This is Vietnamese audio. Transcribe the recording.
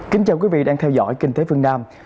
kính chào quý vị đang theo dõi kinh tế phương nam